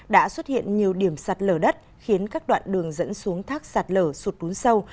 đã xuất hiện nhiều điểm sạt lở đất khiến các đoạn đường dẫn xuống thác sạt lở sụt lún sâu